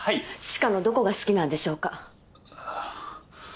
知花のどこが好きなんでしょうか。